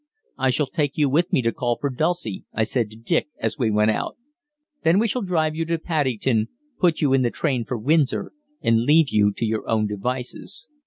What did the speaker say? "I shall take you with me to call for Dulcie," I said to Dick as we went out. "Then we shall drive you to Paddington, put you in the train for Windsor, and leave you to your own devices."